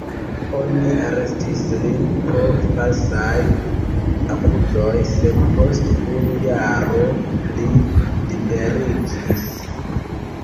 Oni arestis lin pro falsaj akuzoj, sed post unu jaro li liberiĝis.